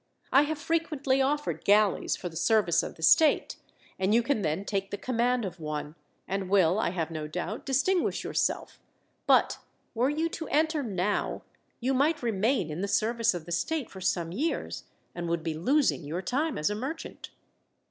I have frequently offered galleys for the service of the state, and you can then take the command of one, and will, I have no doubt, distinguish yourself; but were you to enter now, you might remain in the service of the state for some years, and would be losing your time as a merchant.